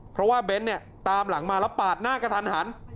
เพราะว่าเบนท์เนี่ยตามหลังมาแล้วปาดหน้ากระทันหัน